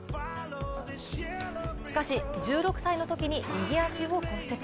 しかし１６歳のときに右足を骨折。